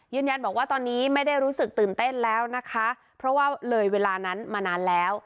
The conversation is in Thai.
ยืนยันบอกว่าตอนนี้ไม่ได้รู้สึกตื่นเต้นแล้วนะคะเพราะว่าเลยเวลานั้นมานานแล้ว